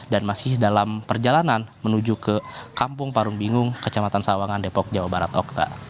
dan masih dalam perjalanan menuju ke kampung parun bingung kecamatan sawangan depok jawa barat okta